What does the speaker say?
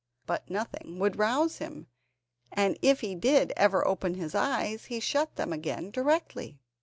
But nothing would rouse him, and if he did ever open his eyes he shut them again directly.